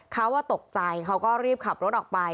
เขาตกใจเขาก็รีบขับรถออกไป